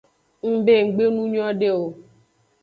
Ng be nggbe nu nyode o.